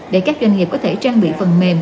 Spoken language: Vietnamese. để các doanh nghiệp có thể trang bị phần mềm